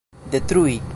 detrui